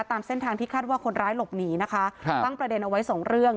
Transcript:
ตามเส้นทางที่คาดว่าคนร้ายหลบหนีนะคะครับตั้งประเด็นเอาไว้สองเรื่อง